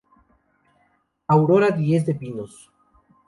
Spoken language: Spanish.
Aurora Diez de Pinos.